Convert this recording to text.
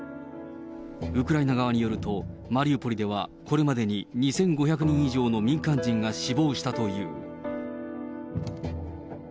ウクライナ側によると、マリウポリではこれまでに２５００人以上の民間人が死亡したという。